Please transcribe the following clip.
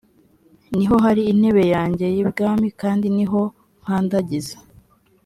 ni ho hari intebe yanjye y ubwami r kandi ni ho nkandagiza